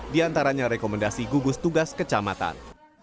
diantaranya rekomendasi gugus tugas kecamatan